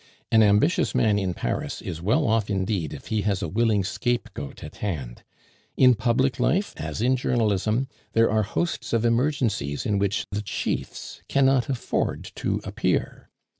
An ambitious man in Paris is well off indeed if he has a willing scapegoat at hand. In public life, as in journalism, there are hosts of emergencies in which the chiefs cannot afford to appear.